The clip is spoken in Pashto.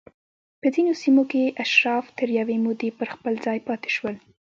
په ځینو سیمو کې اشراف تر یوې مودې پر خپل ځای پاتې شول